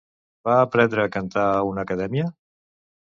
Va aprendre a cantar a una acadèmia?